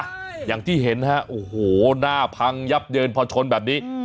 อย่างที่เห็นฮะโอ้โหหน้าพังยับเยินพอชนแบบนี้